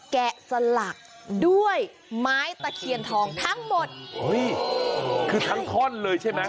แกะสลักด้วยไม้ตะเคียนทองทั้งหมดอุ้ยคือทั้งท่อนเลยใช่ไหม